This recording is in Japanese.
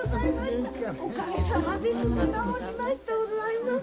おかげさまですぐ治りましたでございます。